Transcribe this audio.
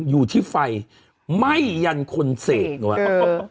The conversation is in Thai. อยู่ที่ไฟไม่ยันคนเสกวะ